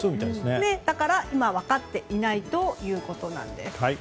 だから今分かっていないということなんです。